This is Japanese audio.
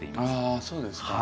あそうですか。